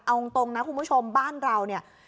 เอาตรงนะคุณผู้ชมบ้านเราเนี่ย